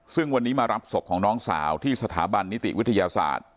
ซึ่งวันนี้มารับศพของน้องสาวที่สถาบันนิติวิทยาศาสตร์